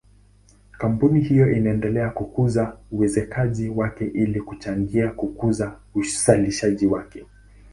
Kampuni hiyo inaendelea kukuza uwekezaji wake ili kuchangia kukuza uzalishaji wake.